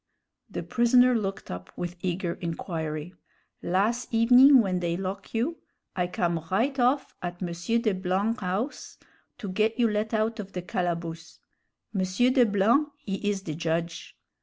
The prisoner looked up with eager inquiry. "Las' evening when they lock' you, I come right off at M. De Blanc's house to get you let out of de calaboose; M. De Blanc he is the judge.